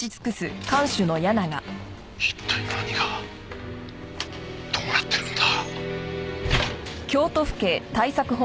一体何がどうなってるんだ？